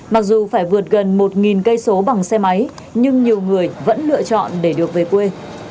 mặc dù phải vượt gần một cây số bằng xe máy nhưng nhiều người vẫn lựa chọn để được về quê